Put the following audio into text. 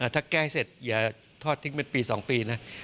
ถ้าแก้เสร็จอย่าทอดทิ้งเป็นปี๒ปีนะ